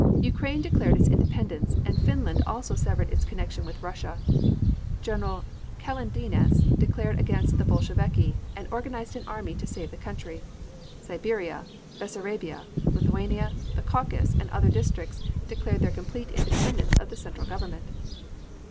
Ukraine declared its independence, and Finland also severed its connection with Russia. General Kaledines declared against the Bolsheviki, and organized an army to save the country. Siberia, Bessarabia, Lithuania, the Caucasus and other districts declared their complete independence of the Central Government.